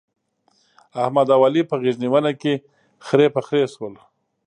احمد او علي په غېږ نيونه کې خرې پر خرې شول.